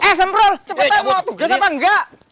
eh semprol cepetan mau tugas apa enggak